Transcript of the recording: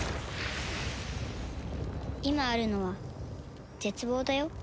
今あるのは絶望だよ。